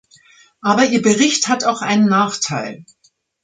Aber Ihr Bericht hat auch einen Nachteil.